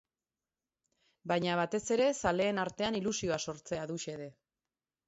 Baina, batez ere, zaleen artean ilusioa sortzea du xede.